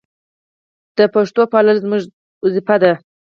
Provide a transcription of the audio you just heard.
د پښتو پالل زموږ دنده ده.